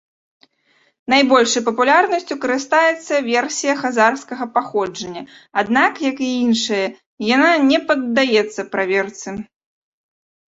Найбольшай папулярнасцю карыстаецца версія хазарскага паходжання, аднак, як і іншыя, яна не паддаецца праверцы.